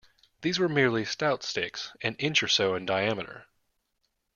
These were merely stout sticks an inch or so in diameter.